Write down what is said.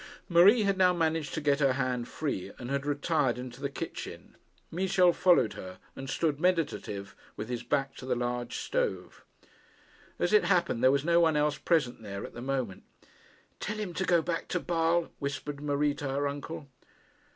Marie had now managed to get her hand free, and had retired into the kitchen. Michel followed her, and stood meditative, with his back to the large stove. As it happened, there was no one else present there at the moment. 'Tell him to go back to Basle,' whispered Marie to her uncle.